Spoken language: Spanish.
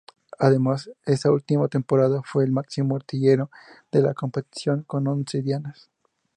Además, esa última temporada, fue el máximo artillero de la competición con once dianas.